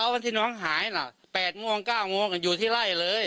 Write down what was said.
อ่ะเดี๋ยวมองแก่นายค่ะ